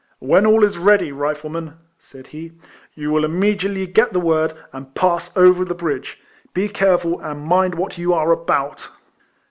" When all is ready, Riflemen," said he, " you will immediately get the word, and pass over the bridge. Be careful, and mind what you are about."